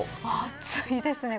暑いですね